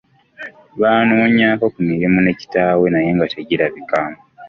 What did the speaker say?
Baanoonyaako ku mirimu ne kitaawe naye nga tegirabika.